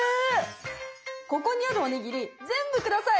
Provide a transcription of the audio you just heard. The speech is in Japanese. ここにあるおにぎり全部下さい。